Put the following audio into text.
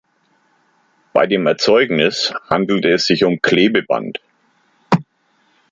Bei dem Erzeugnis handelt es sich um Klebeband.